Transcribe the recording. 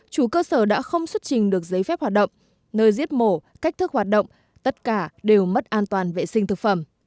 chủ cơ sở đã không xuất trình được giấy phép hoạt động nơi giết mổ cách thức hoạt động tất cả đều mất an toàn vệ sinh thực phẩm